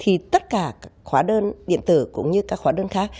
thì tất cả hóa đơn điện tử cũng như các hóa đơn khác